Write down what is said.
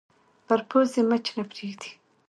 پر پوزې مچ نه پرېږدي